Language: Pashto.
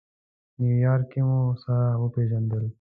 نیویارک کې مو سره وپېژندل.